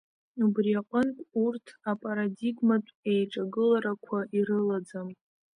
Убри аҟынтә урҭ апарадигматә еиҿагыларақәа ирылаӡам.